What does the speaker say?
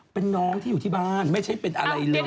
เป็นน้องที่อยู่ที่บ้านไม่ใช่เป็นอะไรเลย